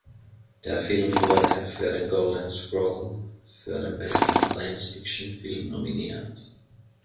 Der Film wurde für den Golden Scroll für den besten Science-Fiction-Film nominiert.